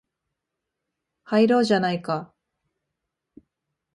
入ろうじゃないか